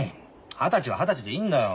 二十歳は二十歳でいいんだよ。